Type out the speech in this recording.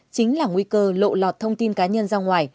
chính là nguy cơ lộ lọt thông tin cá nhân ra ngoài